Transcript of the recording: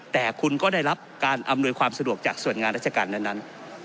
แต่คุณก็ได้รับการอำนวยความสะดวกจากส่วนงานราชการนั้น